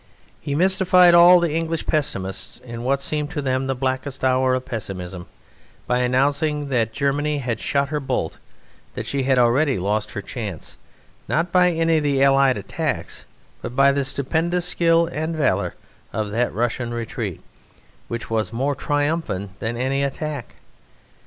He mystified all the English pessimists, in what seemed to them the blackest hour of pessimism, by announcing that Germany had "shot her bolt"; that she had already lost her chance, not by any of the Allied attacks, but by the stupendous skill and valour of that Russian retreat, which was more triumphant than any attack.